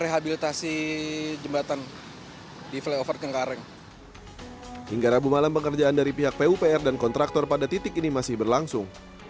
hingga rabu malam pekerjaan dari pihak pupr dan kontraktor pada titik ini masih berlangsung